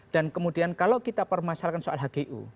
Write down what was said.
dan kemudian kalau kita permasalahkan soal hgu